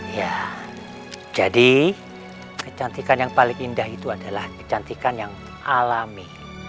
ya jadi kecantikan yang paling indah itu adalah kecantikan yang alami